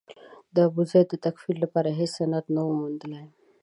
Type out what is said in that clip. د ابوزید د تکفیر لپاره هېڅ سند نه و موندلای.